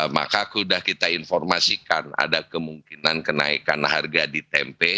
maka sudah kita informasikan ada kemungkinan kenaikan harga di tempe